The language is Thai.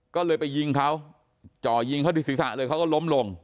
ก็เลยไปยิงเขาเจาะยิงเข้าศิษฐะเลยเขาก็ล้มลง